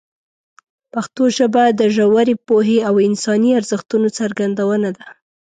پښتو ژبه د ژورې پوهې او انساني ارزښتونو څرګندونه ده.